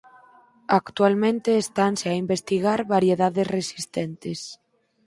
Actualmente estanse a investigar variedades resistentes.